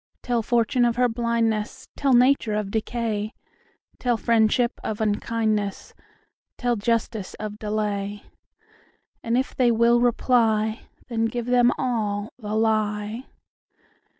Tell fortune of her blindness; Tell nature of decay; Tell friendship of unkindness; Tell justice of delay; And if they will reply, Then give them all the lie.